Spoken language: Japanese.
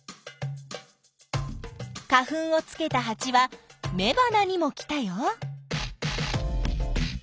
花粉をつけたハチはめばなにも来たよ。